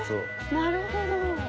なるほど。